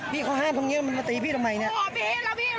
พี่เขาห้ามตรงนี้มันมาตีพี่ทำไมเนี่ย